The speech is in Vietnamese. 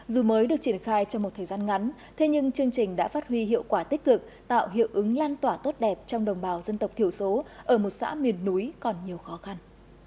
dù mới được triển khai trong một thời gian ngắn thế nhưng chương trình đã phát huy hiệu quả tích cực tạo hiệu ứng lan tỏa tốt đẹp trong đồng bào dân tộc thiểu số ở một xã miền núi còn nhiều khó khăn